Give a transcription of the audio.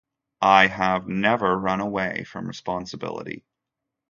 I have never run away from responsibility.